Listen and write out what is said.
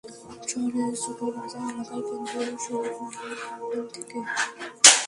শহরের ছোটবাজার এলাকায় কেন্দ্রীয় শহীদ মিনার প্রাঙ্গণ থেকে শোভাযাত্রা বের হয়।